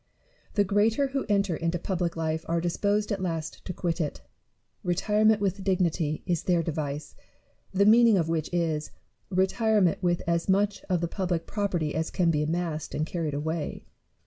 The greater who enter into public life are disposed at last to quit it: retirement with dignity is their device; the mean ing of which is, retirement with as much of the public property as can be amassed and carried away.